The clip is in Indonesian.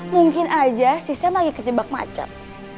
mungkin aja si sam lagi kejebak macet